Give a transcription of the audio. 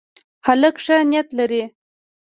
هلک ښه نیت لري.